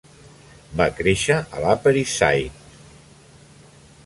Va créixer a l'Upper East Side.